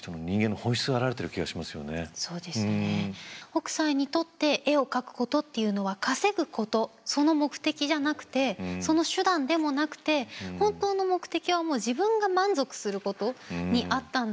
北斎にとって絵を描くことっていうのは稼ぐことその目的じゃなくてその手段でもなくて本当の目的はもう自分が満足することにあったんだろうなと思いましたね。